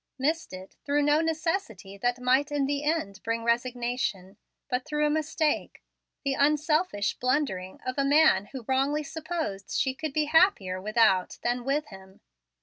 missed it through no necessity that might in the end bring resignation, but through a mistake, the unselfish blundering of a man who wrongly supposed she could be happier without than with him.